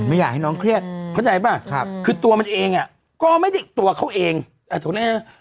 ไม่อยากให้น้องเครียดเข้าใจป่ะครับคือตัวมันเองอ่ะก็ไม่ได้ตัวเขาเองโทรเรียกนะ